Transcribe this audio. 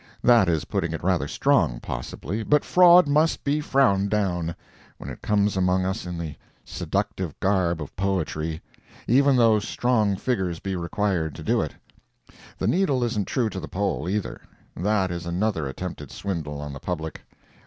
That is putting it rather strong, possibly, but fraud must be frowned down, when it comes among us in the seductive garb of poetry, even though strong figures be required to do it. The needle isn't true to the pole, either. That is another attempted swindle on the public.